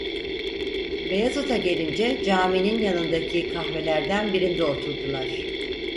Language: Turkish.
Beyazıt’a gelince caminin yanındaki kahvelerden birinde oturdular.